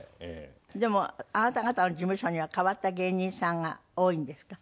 でもあなた方の事務所には変わった芸人さんが多いんですか？